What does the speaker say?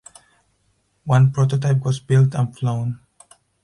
One prototype was built and flown.